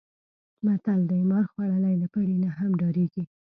متل دی: مار خوړلی له پړي نه هم ډارېږي.